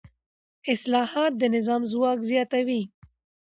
اصلاحات د نظام ځواک زیاتوي